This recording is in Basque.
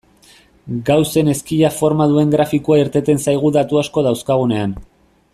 Gaussen ezkila forma duen grafikoa irteten zaigu datu asko dauzkagunean.